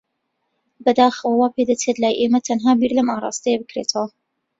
بەداخەوە، وا پێدەچێت لای ئێمە تەنها بیر لەم ئاراستەیە بکرێتەوە.